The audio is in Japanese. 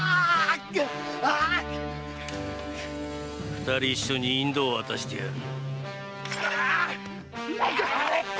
二人一緒に引導を渡してやる。